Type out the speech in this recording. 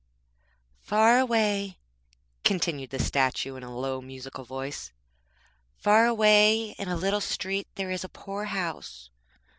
'Far away,' continued the statue in a low musical voice,'far away in a little street there is a poor house.